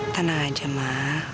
tenang aja mah